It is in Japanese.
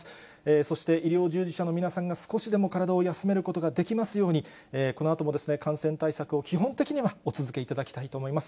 そして医療従事者の皆さんが少しでも体を休めることができますように、このあとも感染対策を、基本的にはお続けいただきたいと思います。